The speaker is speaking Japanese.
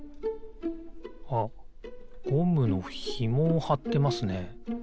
あっゴムのひもをはってますね。